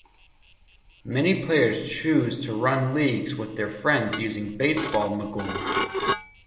Many players choose to run leagues with their friends using "Baseball Mogul".